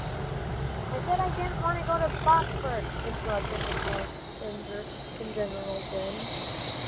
"I said I didn't want to go to Boxford," interrupted the passenger in the general din.